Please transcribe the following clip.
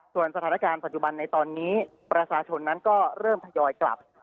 ส่วนสถานการณ์ปัจจุบันในตอนนี้ประชาชนนั้นก็เริ่มทยอยกลับ